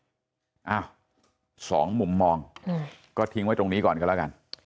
อ้าวสองมุมมองก็ทิ้งไว้ตรงนี้ก่อนก็แล้วกัน